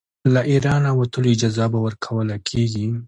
له اېرانه وتلو اجازه به ورکوله کیږي.